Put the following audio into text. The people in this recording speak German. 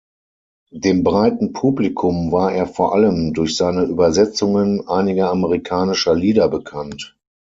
Dem breiten Publikum war er vor allem durch seine Übersetzungen einiger amerikanischer Lieder bekannt.